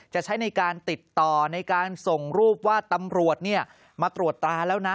จะใช้ในการติดต่อในการส่งรูปว่าตำรวจมาตรวจตราแล้วนะ